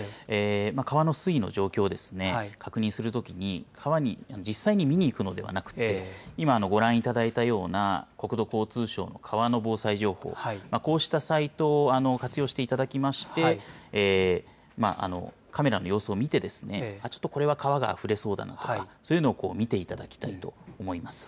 川の水位の状況ですね、確認するときに、川に実際に見に行くのではなくて、今ご覧いただいたような、国土交通省の川の防災情報、こうしたサイトを活用していただきまして、カメラの様子を見て、ちょっとこれは川があふれそうだなとか、そういうのを見ていただまた